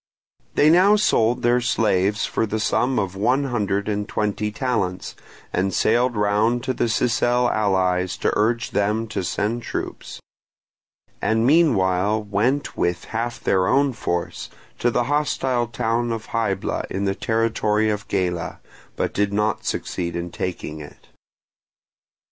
They now sold their slaves for the sum of one hundred and twenty talents, and sailed round to their Sicel allies to urge them to send troops; and meanwhile went with half their own force to the hostile town of Hybla in the territory of Gela, but did not succeed in taking it.